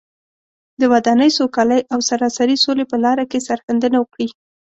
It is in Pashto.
د ودانۍ، سوکالۍ او سراسري سولې په لاره کې سرښندنه وکړي.